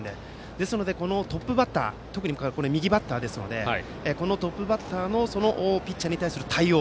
ですので、トップバッター特に右バッターですのでこのトップバッターのピッチャーに対する対応。